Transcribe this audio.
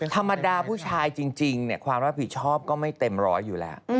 ธรรมดาผู้ชายจริงความรับผิดชอบก็ไม่เต็มร้อยอยู่แล้ว